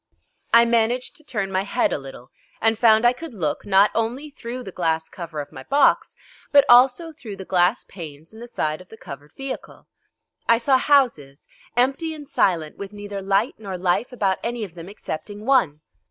I managed to turn my head a little, and found I could look, not only through the glass cover of my box, but also through the glass panes in the side of the covered vehicle. I saw houses, empty and silent, with neither light nor life about any of them excepting one.